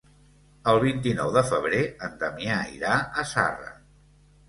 El vint-i-nou de febrer en Damià irà a Zarra.